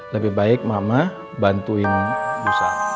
lebih baik mama bantuin busa